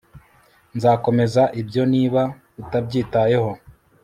nzakomeza ibyo niba utabyitayeho